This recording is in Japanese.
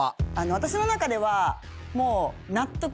私の中ではもう。